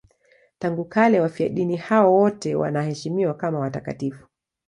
Tangu kale wafiadini hao wote wanaheshimiwa kama watakatifu.